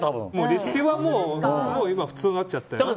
リスケはもう今は普通になっちゃったよ。